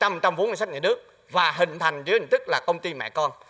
một trăm bốn mươi ngành sách nhà nước và hình thành như hình thức là công ty mẹ con